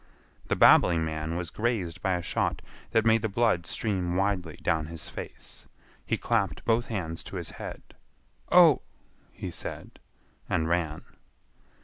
The babbling man was grazed by a shot that made the blood stream widely down his face. He clapped both hands to his head. "Oh!" he said, and ran.